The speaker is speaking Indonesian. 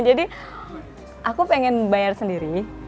jadi aku pengen bayar sendiri